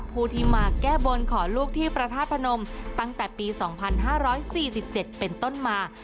ผู้ที่มาแก้บนขอลูกที่พระธาตุพนมตั้งแต่ปี๒๕๔๗เป็นต้นมา